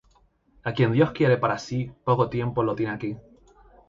A quien Dios quiere para si, poco tiempo lo tiene aqui.